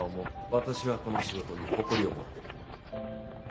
私はこの仕事に誇りを持ってる。